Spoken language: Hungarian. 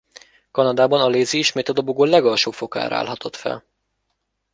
Kanadában Alesi ismét a dobogó legalsó fokára állhatott fel.